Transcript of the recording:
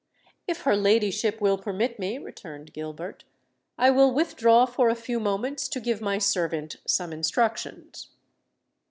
"If her ladyship will permit me," returned Gilbert, "I will withdraw for a few moments to give my servant some instructions."